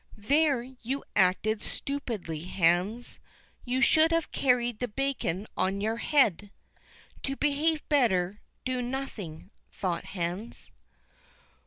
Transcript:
"There you acted stupidly, Hans; you should have carried the bacon on your head." "To behave better, do nothing," thought Hans.